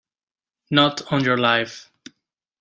Not on your life!